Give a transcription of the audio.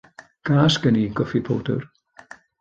Gas gen i goffi powdr.